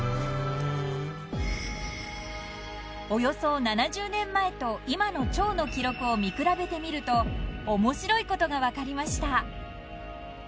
［およそ７０年前と今のチョウの記録を見比べてみると面白いことが分かりました］